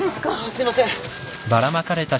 すいません。